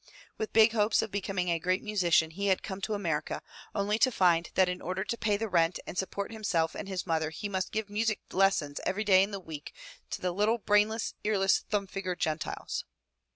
With big hopes of becoming a great musician he had come to America, only to find that in order to pay the rent and support himself and his mother he must give music lessons every day in the week to little "brainless, earless, thumb fingered Gentiles!"